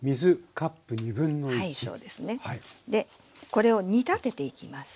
これを煮立てていきます。